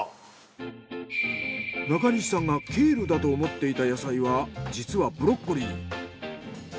中西さんがケールだと思っていた野菜は実はブロッコリー。